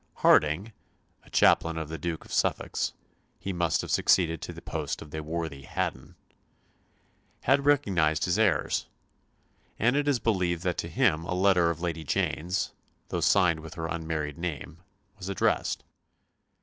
Hardinge, a chaplain of the Duke of Suffolk's he must have succeeded to the post of the worthy Haddon had recognized his errors; and it is believed that to him a letter of Lady Jane's though signed with her unmarried name was addressed.